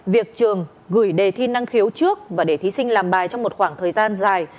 việc trường gửi đề thi năng khiếu trước và để thí sinh làm bài trong một khoảng thời gian dài